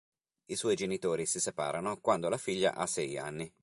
I suoi genitori si separano quando la figlia ha sei anni.